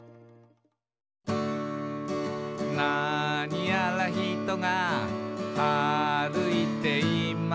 「なにやらひとが歩いています」